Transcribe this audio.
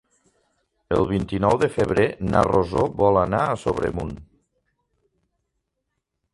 El vint-i-nou de febrer na Rosó vol anar a Sobremunt.